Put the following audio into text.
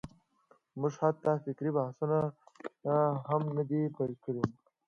موږ حتی فکري بحثونه هم نه دي پېل کړي.